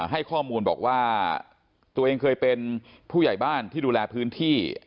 ให้ข้อมูลบอกว่าตัวเองเคยเป็นผู้ใหญ่บ้านที่ดูแลพื้นที่